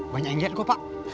banyak yang lihat kok pak